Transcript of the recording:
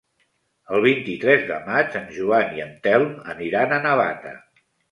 El vint-i-tres de maig en Joan i en Telm aniran a Navata.